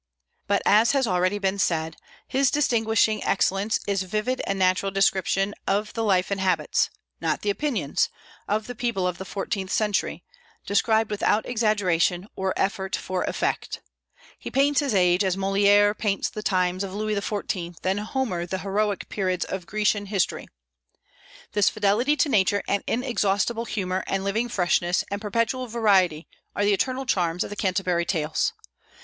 But, as has been already said, his distinguishing excellence is vivid and natural description of the life and habits, not the opinions, of the people of the fourteenth century, described without exaggeration or effort for effect. He paints his age as Molière paints the times of Louis XIV., and Homer the heroic periods of Grecian history. This fidelity to nature and inexhaustible humor and living freshness and perpetual variety are the eternal charms of the "Canterbury Tales."